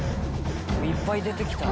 いっぱい出て来た。